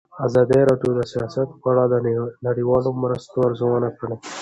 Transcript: ازادي راډیو د سیاست په اړه د نړیوالو مرستو ارزونه کړې.